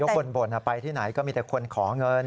คนบ่นไปที่ไหนก็มีแต่คนขอเงิน